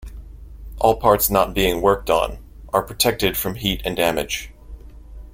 All parts not being worked on are protected from heat and damage.